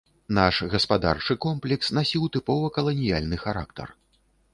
Наш гаспадарчы комплекс насіў тыпова каланіяльны характар.